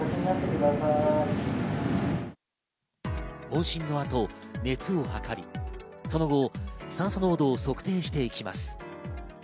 問診の後、熱を測り、その後、酸素濃度を測定していきます。